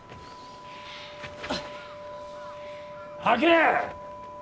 吐け！